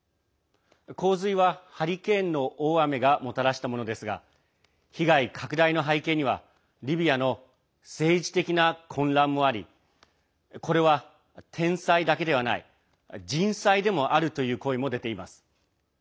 洪水は、ハリケーンの大雨がもたらしたものですが被害拡大の背景にはリビアの政治的な混乱もありこれは天災だけではない人災でもあるという声も出ています。